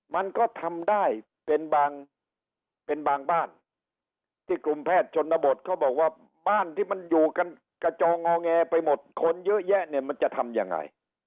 มันก็ทำได้เป็นบางเป็นบางบ้านที่กลุ่มแพทย์ชนบทเขาบอกว่าบ้านที่มันอยู่กันกระจองงอแงไปหมดคนเยอะแยะเนี่ยมันจะทำยังไง